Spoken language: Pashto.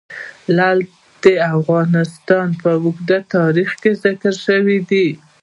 لعل د افغانستان په اوږده تاریخ کې ذکر شوی دی.